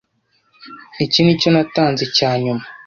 Iki nicyo natanze cyanyuma.